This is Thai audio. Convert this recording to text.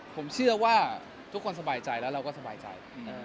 ผมเชื่อว่าทุกคนสบายใจแล้วเราก็สบายใจ